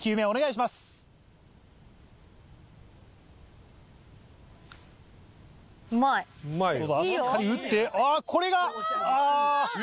しっかり打ってあこれが。